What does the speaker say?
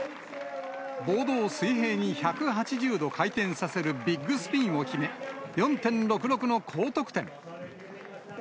ボードを水平に１８０度回転させるビッグスピンを決め、４．６６の高得点。